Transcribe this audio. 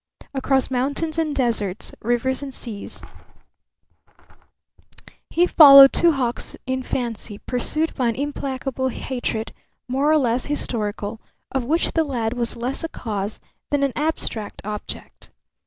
Across mountains and deserts, rivers and seas, he followed Two Hawks in fancy, pursued by an implacable hatred, more or less historical, of which the lad was less a cause than an abstract object.